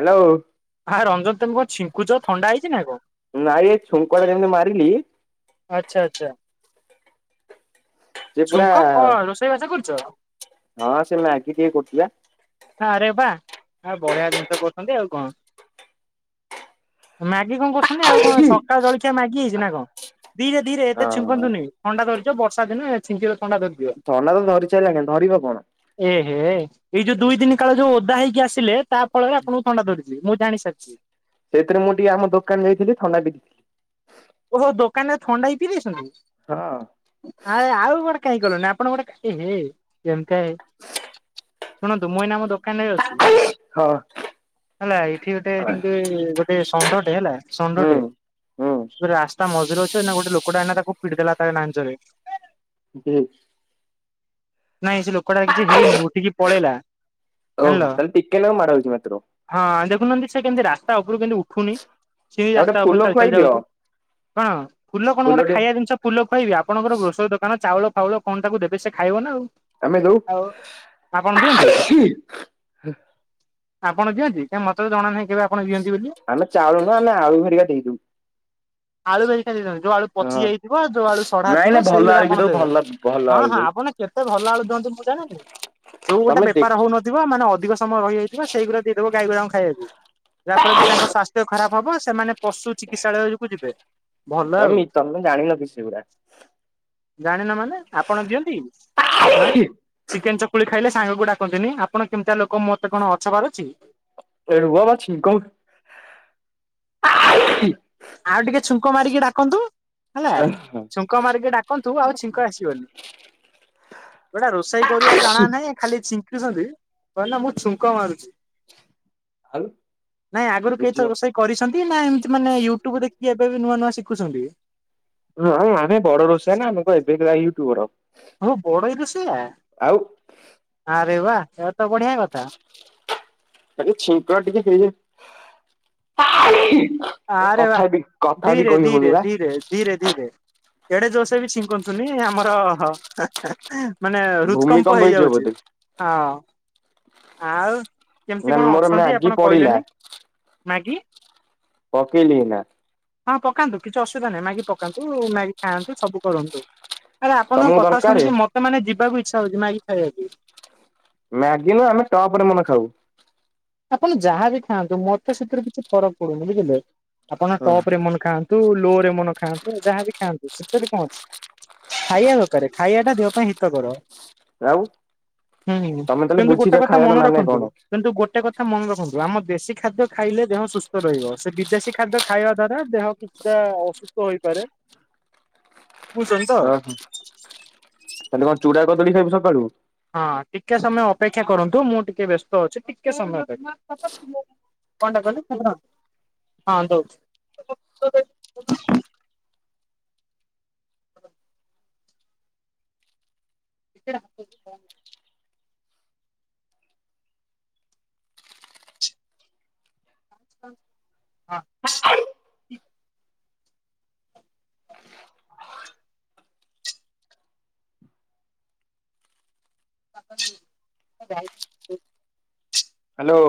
Hello. ଆ ରଞ୍ଜନ ତମେ କଣ ଛିଙ୍କୁଚ ଥଣ୍ଡା ହେଇଚି ନା କଣ? ନା ଏ ଛୁଙ୍କ ଏଇରେ ଯେମିତି ମାରିକି ଆଚ୍ଛା ଆଚ୍ଛା। ସେ ପୁରା ଛୁଙ୍କ କଣ ରୋଷେଇ ବାସା କରୁଚ? ହଁ ସେ ମ୍ୟାଗି ଟିକେ କରୁଥିଲି ପା। ହଁ ଆରେ ବା ଆ ବଢିଆ ଜିନିଷ କରୁଛନ୍ତି ଆଉ କଣ? ମାଗି କଣ କରୁଛନ୍ତି ଆଉ କଣ ସକାଳ ଜଳଖିଆ ମାଗି ହେଇଛି ନା କଣ? ଧିରେ ଧିରେ ଏତେ ହଁ ଛିଙ୍କନ୍ତୁନି ଥଣ୍ଡା ଧରିଛ ବର୍ଷା ଦିନ ଛିଙ୍କିଲେ ଥଣ୍ଡା ଧରିଜି ଥଣ୍ଡା ତ ଧରି ସାରିଲାଣି ଧରିବ କଣ। ଏ ହେ ଏଇ ଯୋଉ ଦୁଇ ଦିନ କାଳ ଯୋଉ ଓଦା ହେଇକି ଆସିଲେ ତା ଫଳରେ ଆପଣଙ୍କୁ ଥଣ୍ଡା ଧରିଛି। ମୁଁ ଭାଇ ଜାଣି ସାରିଛି। ସେଇଥିରେ ମୁଁ ଟିକେ ଆମ ଦୋକାନ ଯାଇଥିଲି ଥଣ୍ଡା ଓହୋ ଦୋକାନ ରେ ଥଣ୍ଡା ବି ପିଇ ଦେଇଛନ୍ତି। ହଁ। ଆ ଆଉ ଗୋଟେ କାହିଁ କଲନି ଆପଣ ଗୋଟେ ଏ ହେ [unintelligible] ଶୁଣନ୍ତୁ ମୁଁ ଏଇନା ଆମ ଦୋ କାନରେ ଅଛି ହଁ ହେଲା ଏଇଠି ଗୋଟେ ସେମିତି ଗୋଟେ ଷଣ୍ଢଟେ ହେଲା। ହୁଁ ଷଣ୍ଢଟେ ହୁଁ ରାସ୍ତା ମଝିରେ ଅଛି ଏଇନା ଗୋଟେ ଲୋକଟେ ଏଇନା ତାକୁ ପିଟି ଦେଲା ତା ନାଞ୍ଜରେ। ହୁ। ନାଇଁ ସେ ଲୋକଟାର କିଛି ହେଇନି ଉଠିକି ପଳେଇଲା। ଜାଣିଲ ଓହୋ ତାହେଲେ ଟିକେ ନାଁ କୁ ମାଡ଼ ହଇଛି ମାତ୍ର। ହଁ ଦେଖୁନାହାନ୍ତି ସେ କେମିତି ରାସ୍ତା ଉପରୁ କେମିତି ଉଠୁନି ସିି ଗୋଟେ ରାସ୍ତା ଫୁଲ ଉପରେ ଚାଲି ଖୁଆଇ ଚାଲି ଦିଅ ଯାଉଛି। କଣ ଫୁଲ କଣ ଗୋଟେ ଫୁଲଟେ ଖାଇବା ଜିନିଷ ଫୁଲ ଖୁଆଇବି ଆପଣଙ୍କର ଗ୍ରୋସର ଦୋକାନ ଚାଉଳ ଫାଉଳ କଣ ତାକୁ ଦେବେ ସେ ଖାଇବ ନା ଆଉ। ଆମେ ଯଉ। ଆଉ ଆପଣ ଦିଅନ୍ତି ଆପଣ ଦିଅନ୍ତି କାହିଁ ମତେ ତ ଜଣା ନାହିଁ କେବେ ଆପଣ ଦିଅନ୍ତି ବୋଲି। ଆମେ ଚାଉଳ ନୁହଁ ଆମେ ଆଳୁ ହେରିକା ଦେଇଦଉ। ଆଳୁ ହେରୀକା ଦେଇଦିଅନ୍ତି ଯୋଉ ଆଳୁ ପଚି ହଁ ଯାଇଥିବ ଯୋଉ ଆଳୁ ସଢା ନାଇଁ ଥିବ ନାଇଁ ସେଇ ଭଲ ଗୁଡ଼ା ଆଳୁ ବି ଆପଣ ଦଉ ଦେବେ। ଭଲ ଭଲ ହଁ ଆଳୁ ହଁ ଦଉ ଆପଣ କେତେ ଭଲ ଆଳୁ ଦିଅନ୍ତି ମୁଁ ଜାଣିନି ଯୋଉ ଗୋଟେ ତମେ ବେପାର ଦେଖି ହଉନ ଥିବ ମାନେ ଅଧିକ ସମୟ ରହିଯାଇଥିବ ସେଇଗୁଡ଼ା ଦେଇଦବ ଗାଈ ଗୁଡାଙ୍କୁ ଖାଇବାକୁ ଯାହା ଫଳ କି ତାଙ୍କ ସ୍ୱାସ୍ଥ୍ୟ ଖରାପ। ହବ ସେମାନେ ପଶୁ ଚିକିତ୍ସାଳୟ କୁ ଯିବେ। ଭଲ ଆଉ। ଟମି ତମେ ଜାଣିନ କିଛି ସେଗୁଡା। ଜାଣିନ ମାନେ ଆପଣ ଦିଅନ୍ତି ଆଁ? ଚିକେନ ଚକୁଳି ଖାଇଲେ ସାଙ୍ଗକୁ ଡାକନ୍ତିନି ଆପଣ କେମିତିଆ ଲୋକ ମତେ କଣ ଅଛପାର ଅଛି। ଏ ରୁହ ବା ଛିଙ୍କ ଆଉ ଟିକେ ଛୁଙ୍କ ମାରିକି ଡାକନ୍ତୁ ହେଲା। ଛୁଙ୍କ ମାରିକି ଡାକନ୍ତୁ ଆଉ ଛିଙ୍କ ଆସିବନି। ଗୋଟା ରୋଷେଇ କରିବା ଜଣା ନାହିଁ ଖାଲି ଛିଙ୍କୁଛନ୍ତି କଣ ନା ମୁଁ ଛୁଙ୍କ ମାରୁଛି। ଆଉ ନାଇଁ ଆଗରୁ କେଇ ବୁଝିବ ଥର ରୋଷେଇ କରିଛନ୍ତି ନା ଏମିତି ମାନେ ୟୁ ଟ୍ୟୁବ ଦେଖିକି ଏବେ ବି ନୂଆ ନୂଆ ଶିଖୁଛନ୍ତି। ହଁ ଆଉ ଆମେ ବଡ ରୋଷେଇଆ ନା ଆମ ଏବେ ୟୁଟୁବର। ହୋ ବଡ଼ ରୋଷେଇଆ ଆରେ ବା ଏହା ତ ବଢ଼ିଆ କଥା। ଖାଲି ଛିଙ୍କ ଟିକେ ହେଇଯା ଏ ଆରେ ବା କଥା ବି କଥା ବି ଧୀରେ କହି ଧୀରେ ହଉନି ବା। ଧୀରେ ଧୀରେ ଧୀରେ ଏଡେ ଜୋର ସେ ବି ଛିଙ୍କନ୍ତୁନି ଆମର ହଁ ମାନେ ହୃଦକମ୍ପ ଭୂମିକମ୍ପ ହେଇଯିବ ହେଇଯାଉଛି ବୋଧେ ହଁ ଆଉ। କେମିତି ନା କଣ ମୋର ଅଛନ୍ତି ମ୍ୟାଗି ଆପଣ ପଡିଲା କହିଲେନି ମାଗି। ପକେଇଲିି ଏଇନା। ହଁ ପକାନ୍ତୁ କିଛି ଅସୁବିଧା ନାହିଁ ମାଗି ପକାନ୍ତୁ ମାଗି ଖାଆନ୍ତୁ ସବୁ କରନ୍ତୁ। ଆରେ ତମକୁ ଆପଣଙ୍କ କଥା ଦରକାରେ ଶୁଣିକି ମତେ ମାନେ ଯିବାକୁ ଇଚ୍ଛା ହଉଛି ମାଗି ଖାଇବା ପାଇଁ। ମ୍ୟାଗି ନୁହଁ ଆମେ ଟପ ରେମନ ଖାଉ। ଆପଣ ଯାହାବି ଖାଆନ୍ତୁ ମତେ ସେଥିରେ କିଛି ଫରକ ପଡୁନି ବୁଝିଲେ। ଆପଣ ହଁ ଟପ୍ ରେମନେ ଖାଆ ତୁ ଲୋରେମନ ଖାଆନ୍ତୁ ଯାହାବି ଖାଆନ୍ତୁ ସେଥୀରେ କଣ ଅଛି। ଖାଇବା ଦରକାର ଖାଇବା ଟା ଦେହ ପାଇଁ ହିତକର। ଆଉ ହୁଁ ତମେ ତାହେଲେ କିନ୍ତୁ ବୁଝିଛ ଗୋଟେ କଥା ଖାଇବାର ମନେ ମାନେ ରଖନ୍ତୁ କଣ କିନ୍ତୁ ଗୋଟେ କଥା ମନେ ରଖନ୍ତୁ ଆମ ଦେଶୀ ଖାଦ୍ୟ ଖାଇଲେ ଦେହ ସୁସ୍ଥ ରହିବ। ସେ ବିଦେଶୀ ଖାଦ୍ୟ ଖାଇବା ଦ୍ଵାରା ଦେହ କିଛିଟା ଅସୁ ହେଇପାରେ। ଓହୋ ତାହଲେ କଣ ଚୁଡ଼ା କଦଳୀ ଖାଇବୁ ସକାଳୁ? ହଁ ଟିକେ ସମୟ ଅପେକ୍ଷା କରନ୍ତୁ ମୁଁ ଟିକେ ବ୍ୟସ୍ତ ଅଛି ଟିକେ ସମୟ ଦେଖ୍ କଣଟା କହିଲେ ଖାଲି ଦସ୍ ହଁ ଦଉଛି। [unintelligible] [unintelligible] ବାପା ଅଛି ହଁ ଯାଇ ହେଲୋ।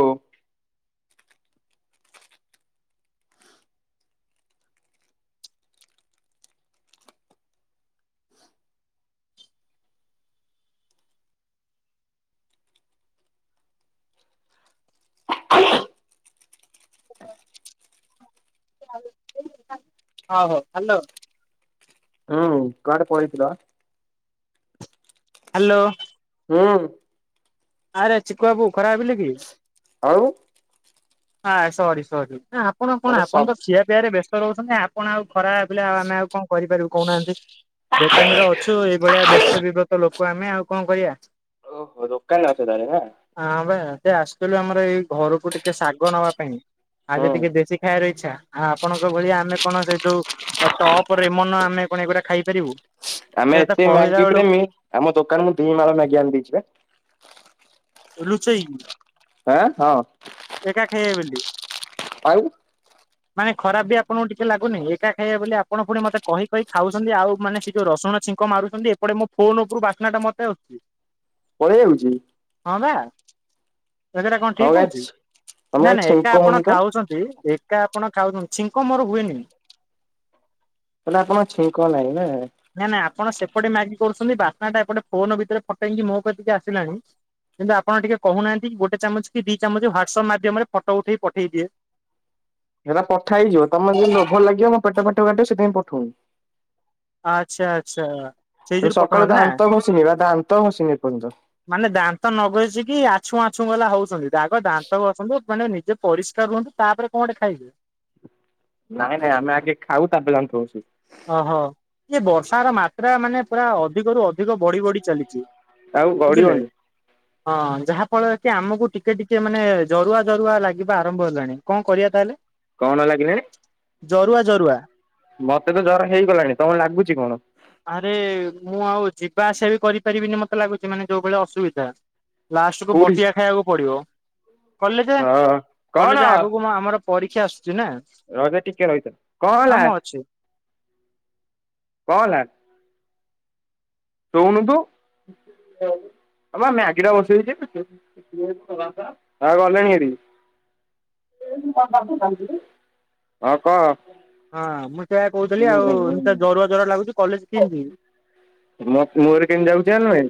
ହଁ ହଉ ହ୍ୟାଲୋ। ହୁଁ କୁଆଡ଼େ ପଳେଇଥିଲ? ହେଲୋ। ହୁଁ। ଆରେ ଚିକୁ ବାବୁ ଖରାପ ଭାବିଲେ କି? ଆଉ। ହଁ ସରି ସରି ଆପଣ କଣ ମତେ ଆପଣ ତ ସବୁ ଖିଆ ପିଆରେ ବ୍ୟସ୍ତ ରହୁଛନ୍ତି ଆପ୍ କଣ ଆଉ ଖରାପ ଭାବିଲେ ଆଉ ଆମେ ଆଉ କଣ କରିପାରିବୁ କହୁନାହାନ୍ତି। ଦୋକାନରେ ଅଛୁ ଏଇଭଳିଆ ବ୍ୟସ୍ତ ବିବ୍ରତ ଲୋକ ଆମେ ଆଉ କଣ କରିବା। ଓହୋ ଦୋକାନ ରେ ଅଛ ତାହେଲେ ନା। ହଁ ଭାଇ ସେ ଆସିଥିଲୁ ଆମର ଏଇ ଘରକୁ ଟିକେ ଶାଗ ନବା ପାଇଁ। ଆଜି ହୁଁ ଟିକେ ଦେଶୀ ଖାଇବାର ଇଚ୍ଛା। ହଁ ଆପଣଙ୍କ ଭଳିଆ ଆମେ କଣ ସେ ଯୋଉ ଟପ୍ ରେମନ ଆମେ କଣ ଏଗୁଡ଼ା ଖାଇପାରିବୁ। ସେ ଆମେ ତ ଏତେ କହିଲା ମ୍ୟାଗି ବେଳୁ ପ୍ରେମୀ ଆମ ଦୋକାନ ମୁ ଦିଇ ମାଳ ମ୍ୟାଗି ଆଣି ଦେଇଛୀ ବା। ଲୁଚେଇକିନି। ଆଁ ହଁ। ଏକା ଖାଇବେ ବୋଲି। ଖାଇବୁ? ମାନେ ଖରାପ ବି ଆପଣଙ୍କୁ ଟିକେ ଲାଗୁନି ଏକା ଖାଇବା ବୋଲି ଆପଣ ପୁଣି ମତେ କହି କହି ଖାଉଛନ୍ତି ଆଉ ମାନେ ସେ ଯୋଉ ରସୁଣ ଛିଙ୍କ ମାରୁ ଛନ୍ତି ଏପଟେ ମୋ ଫୋନ ଉପରୁ ବାସ୍ନା ଟା ମତେ ଆସୁଛି। ପଳେଇ ଆଉଛି? ହଁ ବା। ଏଟା କ ତମ ଠିକ୍ ଗାଁ ହଉଛି ତମ ଗାଁ ନାଇଁ ନାଇଁ ଛିଙ୍କ ଏକା ଆପଣ ହଉନି ତ ଖାଉଛନ୍ତି ଏ କା ଆପଣ ଖାଉଛନ୍ତି ଛିଙ୍କ ମୋର ହୁଏନି। ତାହେଲେ ଆପଣ ଛିଙ୍କ ନାହିଁ ନା। ନା ନା ଆପଣ ସେପଟେ ମ୍ୟାଗି କରୁଛନ୍ତି ବାସ୍ନାଟା ଏପଟେ ଫୋନ ଭିତରେ ଫଟେଇକି ମୋ କତିକି ଆସିଲାଣି। କିନ୍ତୁ ଆପଣ ଟିକେ କହୁନାହାନ୍ତି କି ଗୋଟେ ଚାମଚ୍ କି ଦି ଚାମଚ ହ୍ଵାଟସଅପ୍ ମାଧ୍ୟମରେ ଫଟ ଉଠେଇକି ପଠେଇଦିଏ। ହେରା ପଠା ହେଇଯିବ ତମେ ଯଦି ଲୋଭ ଲାଗିବ ମୋ ପେଟ ଫେଟ କାଟିବ ସେଥିପାଇଁ ପଠଉନି। ଆ ଆଚ୍ଛା ଆଚ୍ଛା। ସେଇ ରେ ଯୋଗୁ ସକାଳୁ ପଠଉନାହାନ୍ତି ନା। ଦାନ୍ତ ଘଷିନି ବା ଦାନ୍ତ ଘଷିନି ଏପର୍ଯ୍ୟନ୍ତ। ମାନେ ଦାନ୍ତ ନଘସିକି କି ଆଛୁଁ ଆଛୁଁ ଗଲା ହଉଚନ୍ତି ଦାଗ ଦାନ୍ତ ଘସନ୍ତୁ ମାନେ ନିଜେ ପରିଷ୍କାର ରୁହନ୍ତୁ ତାପରେ କଣ ଗଟେ ଖାଇବେ। ନାଇଁ ନାଇଁ ଆମେ ଆଗେ ଖାଉ ତାପରେ ଦାନ୍ତ ଘସୁ। ଓହୋ। ଏ ବର୍ଷାର ମାତ୍ରା ମାନେ ପୁରା ଅଧିକରୁୁ ଅଧିକ ବଢି଼ ବଢି଼ ଚାଲିଚି। ଆଉ ବୁଝିଲେ? ଗଡିବନି ହଁ ଯାହା ଫଳରେ କି ଆମକୁ ଟିକେ ଟିକେ ମାନେ ଜରୁଆ ଜରୁଆ ଲାଗିବା ଆରମ୍ଭ ହେଲାଣି କଁ କରିବା ତାହେଲେ? କଣ ଲାଗିଲାଣି? ଜରୁଆ ଜରୁଆ। ମତେ ତ ଜର ହେଇଗଲାଣି। ତମ ଲାଗୁଚି କଣ? ଆରେ ମୁଁ ଆଉ ଯିବା ଆସିବା ବି କରିପାରିବିନି ମତେ ଲାଗୁଛି ମାନେ ଯୋଉ ଭଳିଆ ଅସୁବିଧା। ଲାଷ୍ଟ କୁ କୋଉଠି ବଟିକା ଖାଇବାକୁ ପଡ଼ିବ କଲେଯେ ହଁ କଣ କଲେଯେ ଆଗକୁ ଆ ଆମର ପରୀକ୍ଷା ଆସୁଚି ନା। ର ବେ ଟିକେ ରଇଥା। କାମ ଅଛି ରୋହୁନୁ ତୁ। ହ ବା ମ୍ୟାଗି ଟା ବସେଇଛିହା ଗଲେଣି ହେରି ହଁ କ। ହଁ ମୁଁ ସେଇଆ କହୁଥିଲି ଆଉ ଏମତି ତ ଜରୁଆ ଜରୁଆ ଲାଗୁଚି କଲେଜ କେମତି ଯିବି? ମୋ ମୋର କେମିତି ଯାଉଚି ଜାନଲୁଣି?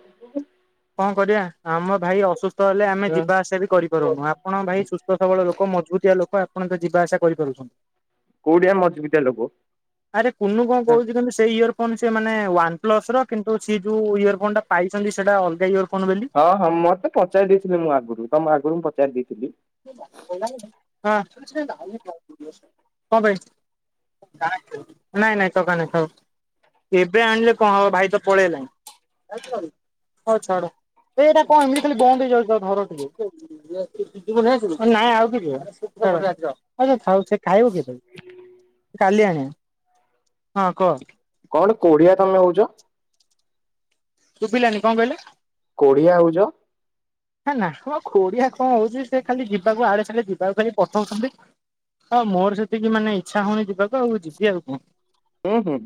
କଣ କରିବା ଆମ ଭାଇ ଅସୁସ୍ଥ ହେଲେ ଆମେ ଯିବା ଆସିବା ବି କରି ପାରୁନୁ। ଆପଣ ଭାଇ ସୁସ୍ଥ ସବଳ ଲୋକ ମଜବୁତିଆ ଲୋକ ଆପଣ ତ ଯିବା ଆସା କରିପାରୁଛନ୍ତି। କୋଉଠି ଆ ମଜବିତିଆ ଲୋକ? [inaudible] ଆରେ କୁନୁ କଣ କହୁଚି କନ ସେଇ ଇଅରଫୋନ ସିଏ ମାନେ ୱାନ ପ୍ଲୁସ ର କିନ୍ତୁ ସି ଯୋଉ ଇଅରଫୋନ ଟା ପାଇଚନ୍ତି ସେଟା ଅ [unintelligible] ହଁ ହଁ ମତେ ପଚାରି ଦେଇଥିଲେ ମୁଁ ଆଗରୁ ତମ ଆଗରୁ ମୁଁ ପଚାରି ଦେଇଥିଲି। [inaudible] [inaudible] ଏବେ ଆଣିଲେ କଣ ହବ ଭାଇ ତ ପଳେଇଲାଣି। [inaudible] [inaudible] [inaudible] ହଁ କ। କଣ କୋଢିଆ ତମେ ହଉଚ? ଶୁବିଲାନି କଣ କହିଲେ? କୋଡିିଆ ହଉଚ? ହେ ନା ମ ଖୋଡିଆ କଣ ହଉଚି ସେ ଖାଲି ଯିବାକୁ ଆଡେ ସାଡେ ଯିବାକୁ ଖାଲି ପଠଉଚନ୍ତି। ହ ମୋର ସେତିକି ମାନେ ଇଚ୍ଛା ହଉନି ଯିବାକୁ ଆଉ ଯିବି ଆଉ କଁ। ହୁଁ ହୁଁ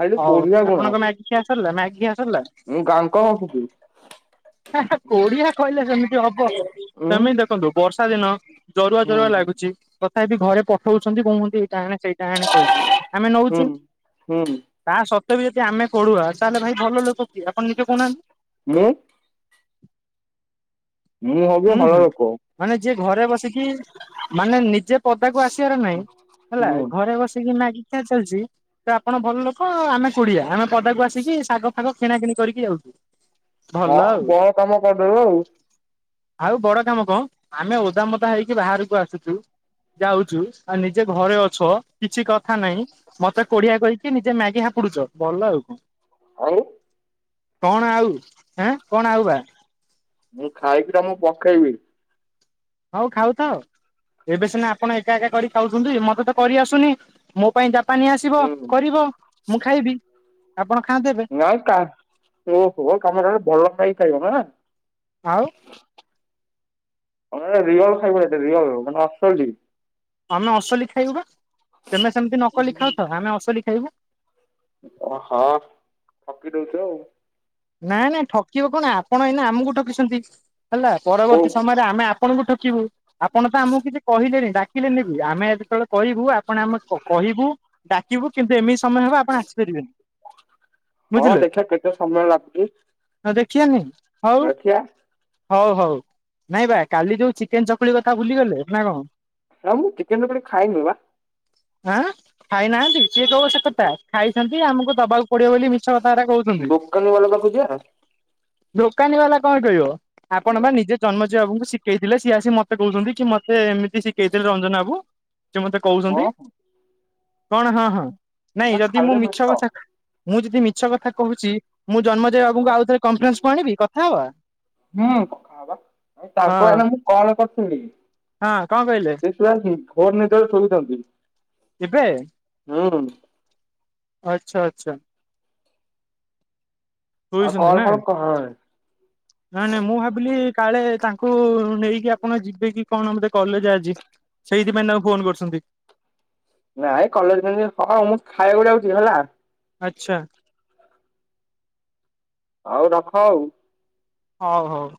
ଖାଲି ହଉ କୋଡ଼ିଆ ଗୁଣ। ଆପଣଙ୍କ ମ୍ୟାଗି ଖିଆ ସରିଲା ମାଗି ଖିଆ ସରିଲା? ମୁଁ ଗାଁଙ୍କ ଘସୁଚି। ହା ହା କୋଡିଆ କହିଲେ କେମିତି ହବ ଉଁ ସେମିତି ଦେଖନ୍ତୁ ବର୍ଷା ଦିନ ଜରୁଆ ହୁଁ ଜରୁଆ ଲାଗୁଚି ତଥାପି ଘରେ ପଠଉଚନ୍ତି କୁହନ୍ତି ଏଇଟା ଆଣେ ସେଇ ଟା ଆଣେ କହିକି ଆମେ ହୁଁ ନଉଚୁ ହୁଁ ତା ସତ୍ତ୍ୱ ବି ଯଦି ଆମେ ଖୋଡୁଆ ତାହେଲେ ଭାଇ ଭଲ ଲୋକ କିଏ ଆପଣ ନିଜେ କହୁନାହାନ୍ତି? ମୁଁ ମୁଁ ହଉଚି ହୁଁ ଭଲ ହୁଁ ଲୋକ। ମାନେ ଯିଏ ଘରେ ବସିକି ମାନେ ନିଜେ ପଦାକୁ ଆସିବାର ନାହିଁ ହେଲା ହୁଁ ଘରେ ବସିକି ନା ଗି ଦେ ଚାଲିଛି ତ ଆପଣ ଭଲ ଲୋକ ଆମେ କୁଡିଆ ଆମେ ପଦାକୁ ଆସିକି ଶାଗ ଆଗ କିଣା କିିଣି କରିକି ଯାଉଛୁ। ଭଲ ହଁ ଆଉ ବହେ କାମ କରିଦେବେ ଆଉ। ଆଉ ବଡ କାମ କଁ ଆମେ ଓଦାମଦା ହେଇକି ବାହାରୁକୁ ଆସୁଚୁ। ଯାଉଛୁ ଆଉ ନିଜେ ଘରେ ଅଛ କିଛି କଥା ନାଇଁ। ମତେ କୋଢିଆ କହିକି ନିଜେ ମ୍ୟାଗି ହାପୁଡୁଚ। ଭଲ ଆଉ କଣ? ଆଉ। କଣ ଆଉ ଏଁ କଣ ଆଉ ବା? ମୁଁ ଖାଇକି ତମୁକୁ ପକେଇବି। ହଉ ଖାଉଥାଅ। ଏବେ ସିନା ଆପଣ ଏକା ଏକା କରି ଖାଉଛନ୍ତି ମତେ ତ କରି ଆସୁନି। ମୋ ପାଇଁ ଯା ପାନି ଆସିବ ହୁଁ କରିବ, ମୁଁ ଖାଇବି, ଆପଣ ଖାଆନ୍ତୁ ଏବେ। ନାଇଁ କା ଓ ହୋ କାମରେ ଭଲ ଖାଇ ଖାଇବ ନା ଆଉ। ହଁ ରିଅଲ ଖାଇବ ଏବେ ବି ରିଅଲ ମାନେ ଅସଲି। ଆମେ ଅସଲି ଖାଇବୁ ବା ତେମେ ସେମିତି ନକଲି ଖାଉଥାଅ ଆମେ ଅସଲି ଖାଇବୁ। ଓ ହଁ ଠକି ଦଉଛୁ ଆଉ। ନାଇଁ ନାଇଁ ଠକିବ କଣ ଆପଣ ଏଇନା ଆମକୁ ଠକିଛନ୍ତି। ହେଲା ହଉ ପରବର୍ତ୍ତୀ ସମୟରେ ଆମେ ଆପ୍ ଆପଣଙ୍କୁ ଠକିବୁ। ଆପଣ ତ ଆମକୁ କିଛି କହିଲେନି ଡାକିଲେନିବି ଆମେ ଯେତେବେଳେ କହିବୁ ଆପଣ ଆମେ କହିବୁ ଡାକିବୁ କିନ୍ତୁ ଏମିତି ସମୟ ହବ ଆପଣ ଆସିପାରିବେନି। ହଁ ଦେଖିବା କେତେ ସମୟ ଲାଗୁଛି। ହ ଦେଖିବାନି ହଉ। ଦେଖିବା ହଉ ହଉ ନାଇଁ ବା କାଲି ଯୋଉ ଚିକେନ ଚକୁଳି କଥା ଭୁଲିଗଲେ ନା କଣ? ନା ମୁଁ ଚିକେନ ଚକୁଳି ଖାଇନି ବା। ଆଁ ଖାଇନାହାନ୍ତି କିଏ କହିବ ସେ କଥା ଖାଇଛନ୍ତି ଆମକୁ ଦବାକୁ ପଡିବ ବୋଲି ମିଛ କଥା ଗୁରା କହୁଛନ୍ତି। ତୋ ଅଲ ପାଖୁକୁ ଯିବା? ଦୋକାନୀ ବାଲା କଣ କହିବ? ଆପଣ ବା ଆଁ ନିଜେ ଜନ୍ମଜୟ ବାବୁଙ୍କୁ ସିଖ୍ କେଇଥିଲେ ସିଏ ଆସି ମତେ କହୁଛନ୍ତି କି ମତେ ଏମିତି ସିକେଇଥିଲେ ରଞ୍ଜନ ବାବୁ ସିଏ ମତେ ହଁ କହୁଛନ୍ତି। କଣ ହଁ ହଁ ନାଇଁ ଏରା ଯଦି ମୁଁ ଖାଇଲେ ମେଣ୍ଟ ମିଛ କଥା ମୁଁ ଯଦି ମିଛ କଥା କହୁଚି ମୁଁ ଜନ୍ମେଜୟ ବାବୁଙ୍କୁ ଆଉ ଥରେ କଫରେନ୍ସକୁ ଆଣିବି କଥା ହବା। ହୁଁ କଥା ହବା ତାଙ୍କୁ ହଁ ଏଇନା ମୁଁ କଲ କରିଥିଲି। ହଁ କଣ କହିଲେ [unintelligible] ଫୋନରେ ଯେତବେଳେ ଶୋଇଥାନ୍ତି। ଏବେ। ମୁଁ। ଆଚ୍ଛା ଆଚ୍ଛା। ଆଉ ଶୋଇଛନ୍ତି କଲ ନା ଫଲ କହନି। ନାଇଁ ନାଇଁ ମୁଁ ଭାବିଲି କାଳେ ତାଙ୍କୁ ନେଇକି ଆପଣ ଯିବେ କି କଣ ବଧେ କଲେଜ ଆଜି? ସେଇଥିପାଇଁ ତାଙ୍କୁ ଫୋନ କରୁଛନ୍ତି। ନାଇଁ କଲେଜ କେମତି ହଁ ମୁଁ ଖାଇବାକୁ ଯାଉଛି ହେଲା। ଆଚ୍ଛା। ହଉ ରଖ ଆଉ। ହଉ ହଉ।